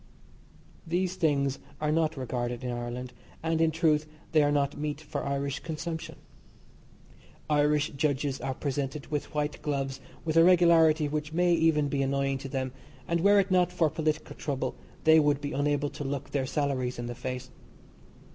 These things are not regarded in Ireland, and, in truth, they are not meat for Irish consumption. Irish judges are presented with white gloves with a regularity which may even be annoying to them, and were it not for political trouble they would be unable to look their salaries in the face.